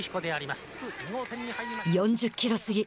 ４０キロ過ぎ。